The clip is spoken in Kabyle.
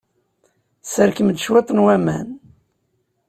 Sserkem-d cwiṭ n waman.